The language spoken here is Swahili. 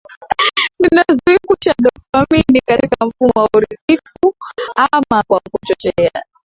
zinazoibusha dopamini katika mfumo wa uridhifu ama kwa kuchoche